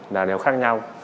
là đều khác nhau